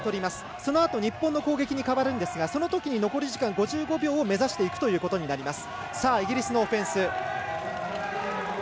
そのあと日本の攻撃に変わるんですがそのときに残り時間５５秒の目指していくということになります。